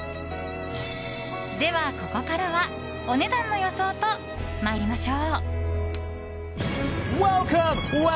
では、ここからはお値段の予想と参りましょう。